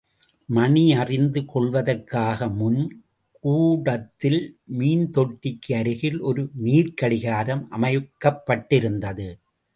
மணி அறிந்து கொள்வதற்காக முன் கூடத்தில் மீன் தொட்டிக்கு அருகில் ஒரு நீர்க்கடிகாரம் அமைக்கப்பட்டிருந்தது.